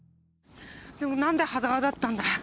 でもなんで裸だったんだ？